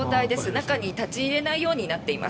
中に立ち入れないようになってます。